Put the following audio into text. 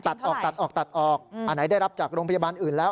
ตัดออกตัดออกตัดออกอันไหนได้รับจากโรงพยาบาลอื่นแล้ว